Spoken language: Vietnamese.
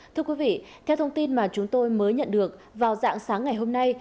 thưa quý vị theo thông tin mà chúng tôi mới nhận được vào dạng sáng ngày hôm nay